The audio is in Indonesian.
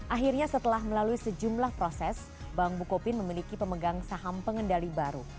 akhirnya setelah melalui sejumlah proses bank bukopin memiliki pemegang saham pengendali baru